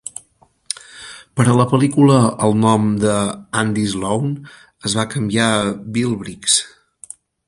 Per a la pel·lícula, el nom de "Andy Sloane" es va canviar a "Bill Briggs".